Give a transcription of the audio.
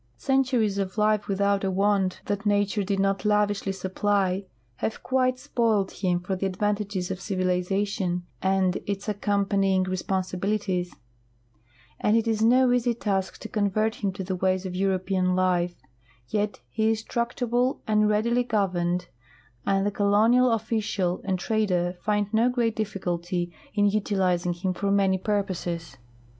Centuries of life without a want that nature did not lavishlv sup])ly have quite s])oiled him for the advantages of civilization and its ac companying responsibilities, and it is no easy task to convert him to the waj's of European life; yet he is tractable and read ily governed, and the colonial official and trader find no great •difficulty in utilizing him for many purposes.